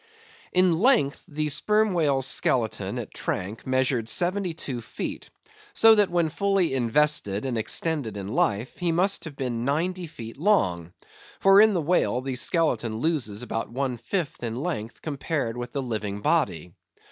In length, the Sperm Whale's skeleton at Tranque measured seventy two feet; so that when fully invested and extended in life, he must have been ninety feet long; for in the whale, the skeleton loses about one fifth in length compared with the living body.